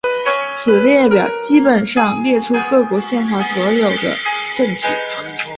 此列表基本上列出各国宪法所表明的政体。